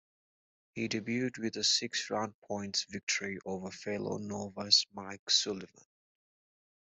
He debuted with a six-round points victory over fellow novice Mike Sullivan.